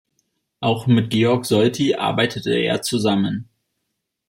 Auch mit Georg Solti arbeitete er zusammen.